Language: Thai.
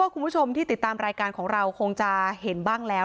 คุณผู้ชมที่ติดตามรายการของเราคงจะเห็นบ้างแล้ว